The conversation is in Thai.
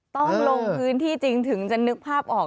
ต้องลงพื้นที่จริงถึงจะนึกภาพออก